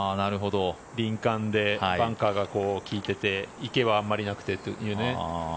敏感でバンカーが利いてて池はあまりなくてというね。